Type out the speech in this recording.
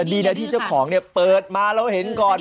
ดีนะที่เจ้าของเปิดมาเราเห็นอยู่ก่อน